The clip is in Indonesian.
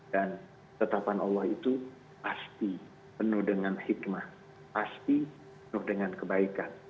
dan ketetapan allah itu pasti penuh dengan hikmah pasti penuh dengan kebaikan